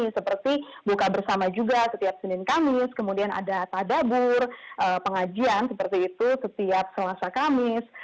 seperti buka bersama juga setiap senin kamis kemudian ada tadabur pengajian seperti itu setiap selasa kamis